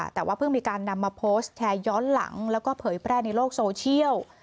แต่ว่าเพิ่งมีการนำมาโพสต์แชร์ย้อนหลังแล้วก็เผยแพร่ในโลกโซเชียล